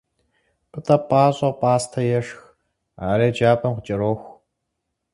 Пӏытӏэ пӏащӏэу пӏастэ ешх, ар еджапӏэм къыкӏэроху.